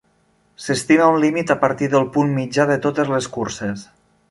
S'estima un límit a partir del punt mitjà de totes les curses.